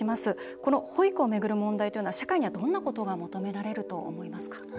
この保育を巡る問題というのは社会には、どんなことが求められると思いますか？